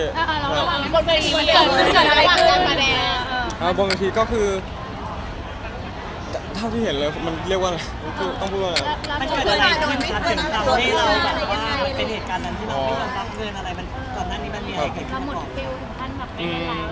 ประมาณว่าบางทีก็คือท่านที่เห็นเลยมันเรียกว่าอะไรต้องพูดว่าอะไร